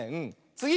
つぎ！